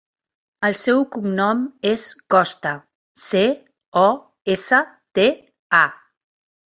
El seu cognom és Costa: ce, o, essa, te, a.